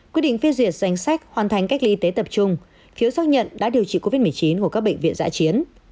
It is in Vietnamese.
quyết định phê duyệt danh sách hoàn thành cách ly y tế tập trung phiếu xác nhận đã điều trị covid một mươi chín hồ các bệnh viện giã chiến